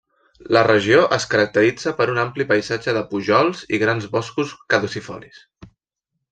La regió es caracteritza per un ampli paisatge de pujols i grans boscos caducifolis.